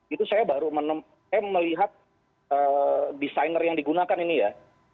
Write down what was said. itu saya baru melihat designer yang digunakan ini ya